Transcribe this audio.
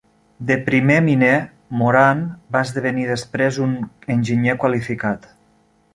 De primer miner, Moran va esdevenir després un enginyer qualificat.